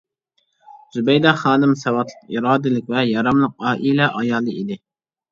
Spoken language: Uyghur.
زۇبەيدە خانىم ساۋاتلىق، ئىرادىلىك ۋە ياراملىق ئائىلە ئايالى ئىدى.